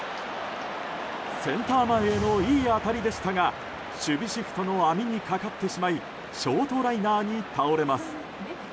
センター前へのいい当たりでしたが守備シフトの網にかかってしまいショートライナーに倒れます。